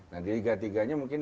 nah di liga tiga nya mungkin